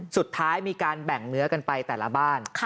สุดท้ายมีการแบ่งเนื้อกันไปแต่ละบ้าน